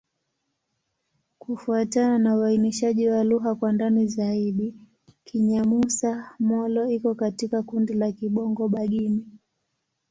Kufuatana na uainishaji wa lugha kwa ndani zaidi, Kinyamusa-Molo iko katika kundi la Kibongo-Bagirmi.